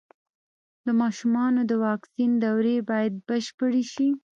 د ماشومانو د واکسین دورې بايد بشپړې شي.